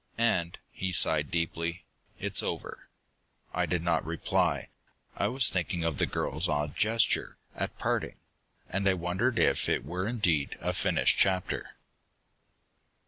And" he sighed deeply "it is over." I did not reply. I was thinking of the girl's odd gesture, at parting, and I wondered if it were indeed a finished chapter.